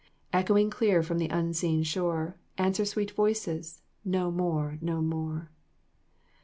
Echoing clear from the unseen shore, Answer sweet voices "No more, no more!"